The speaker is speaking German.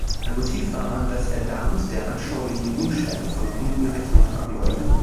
Ein Motiv war, dass er damit der anschaulichen „Unschärfe“ von Punkten Rechnung tragen wollte.